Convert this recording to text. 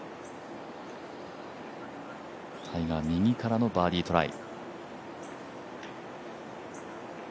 タイガー、右からのバーディートライ。